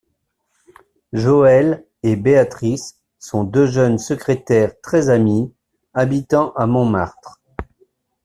Joëlle et Béatrice sont deux jeunes secrétaires très amies, habitant à Montmartre.